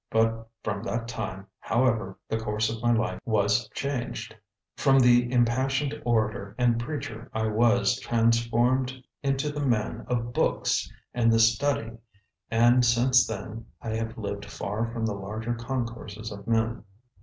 But from that time, however, the course of my life was changed. From the impassioned orator and preacher I was transformed into the man of books and the study, and since then I have lived far from the larger concourses of men.